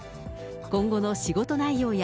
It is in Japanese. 今後の仕事内容や、